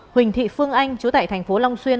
huỳnh thị phương anh chú tại thành phố long xuyên